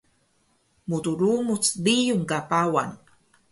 Mdrumuc riyung ka Pawan